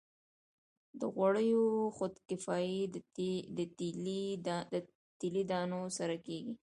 د غوړیو خودکفايي د تیلي دانو سره کیږي.